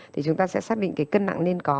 thì chúng ta sẽ xác định cái cân nặng lên có